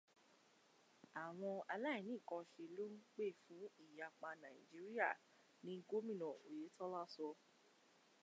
Àwọn aláìníkanṣe ló ń pè fún ìyapa Nàìjíríà ni Gómìnà Oyètọ́lá sọ